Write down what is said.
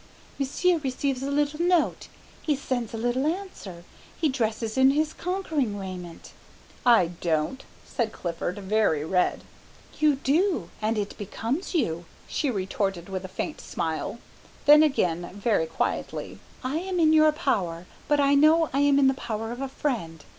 Monsieur receives a little note; he sends a little answer; he dresses in his conquering raiment " "I don't," said Clifford, very red. "You do, and it becomes you," she retorted with a faint smile. Then again, very quietly, "I am in your power, but I know I am in the power of a friend.